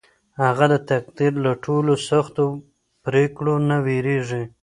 هغه د تقدیر له ټولو سختو پرېکړو نه وېرېږي.